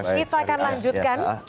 kita akan lanjutkan